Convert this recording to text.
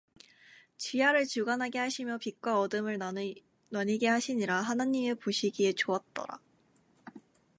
주야를 주관하게 하시며 빛과 어두움을 나뉘게 하시니라 하나님의 보시기에 좋았더라